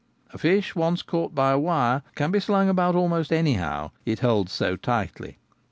A fish once caught by a wire can be slung about almost anyhow, it holds so tightly.